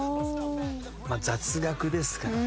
雑学ですからね。